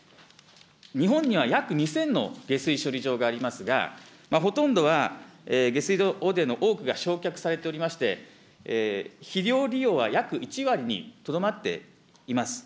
日本には約２０００の下水処理場がありますが、ほとんどは下水道汚泥の多くが焼却されておりまして、肥料利用は約１割にとどまっています。